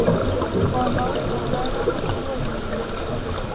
Con Maureen O'Hara no tuvo descendencia.